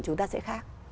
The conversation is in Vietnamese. chúng ta sẽ khác